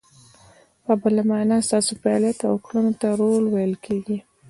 په بله مانا، ستاسو فعالیت او کړنو ته رول ویل کیږي.